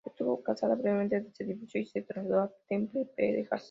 Estuvo casada brevemente, se divorció, y se trasladó a Temple, Texas.